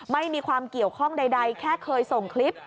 ไม่มีความเกี่ยวข้องใดแค่เคยส่งคลิป